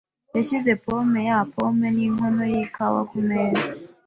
yashyize pome ya pome ninkono yikawa kumeza.